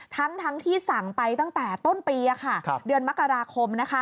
ทั้งที่สั่งไปตั้งแต่ต้นปีเดือนมกราคม